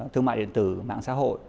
thương mại điện tử mạng xã hội